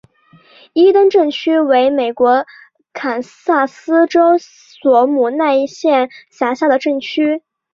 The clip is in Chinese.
伊登镇区为美国堪萨斯州索姆奈县辖下的镇区。